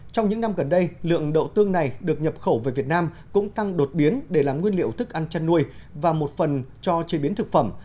trong những năm gần đây lượng đậu tương này được nhập khẩu về việt nam cũng tăng đột biến để làm nguyên liệu thức ăn chăn nuôi và một phần cho chế biến thực phẩm